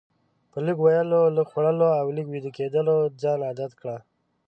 په لږ ویلو، لږ خوړلو او لږ ویده کیدلو ځان عادت کړه.